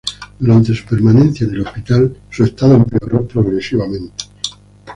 Durante su permanencia en el hospital su estado empeoró progresivamente.